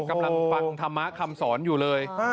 กำลังฟังธรรมะคำสอนอยู่เลย